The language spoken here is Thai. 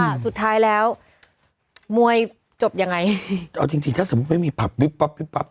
สุดท้ายแล้วมวยจบยังไงเอาจริงจริงถ้าสมมุติไม่มีผับวิบปั๊บวิบปั๊บ